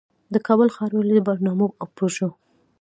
د کابل ښاروالۍ د برنامو او پروژو